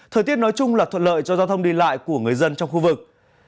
thời tiết nói chung là thuận lợi cho giao thông đi lại của người dân trong khu vực